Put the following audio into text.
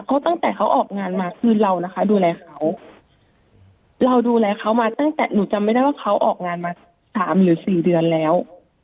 ก็ตั้งแต่เขาออกงานมาคือเรานะคะดูแลเขาเราดูแลเขามาตั้งแต่หนูจำไม่ได้ว่าเขาออกงานมาสามหรือสี่เดือนแล้ว